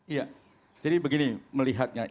iya jadi begini melihatnya